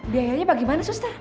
biayanya bagaimana suster